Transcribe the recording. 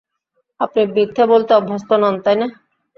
আপনি মিথ্যে বলতে অভ্যস্ত নন, তাই না?